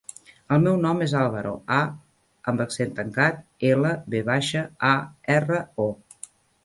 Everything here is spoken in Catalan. El meu nom és Álvaro: a amb accent tancat, ela, ve baixa, a, erra, o.